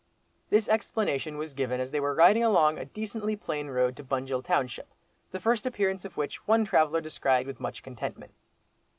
This explanation was given as they were riding along a decently plain road to Bunjil township, the first appearance of which one traveller descried with much contentment.